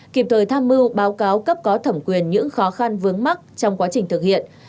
kịp thời tham mưu báo cáo cấp có thẩm quyền những khó khăn vướng mắt trong quá trình thực hiện